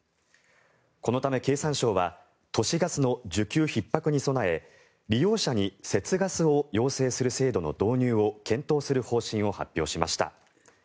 このため経産省は都市ガスの需給ひっ迫に備え利用者に節ガスを要請する制度の導入を検討する方針を発表しました。